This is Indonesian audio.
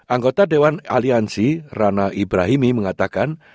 anggota dewan aliansi rana ibrahimi mengatakan